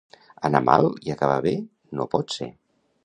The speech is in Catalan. Anar mal i acabar bé no pot ser.